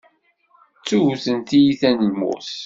Ttewten tiyita n lmut.